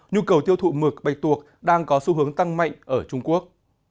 nhu cầu tiêu thụ mực bạch tuộc đang có xu hướng tăng mạnh ở trung quốc